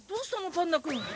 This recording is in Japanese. パンダ君。